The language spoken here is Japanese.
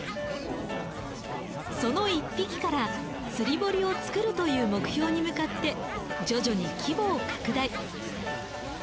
その１匹から釣り堀をつくるという目標に向かって徐々に規模を拡大。